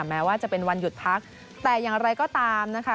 แม้ว่าจะเป็นวันหยุดพักแต่อย่างไรก็ตามนะคะ